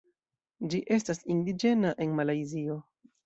Ĝi estas indiĝena en Malajzio.